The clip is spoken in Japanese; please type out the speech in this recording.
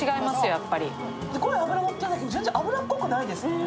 やっぱりすごい脂のってんだけど全然脂っこくないです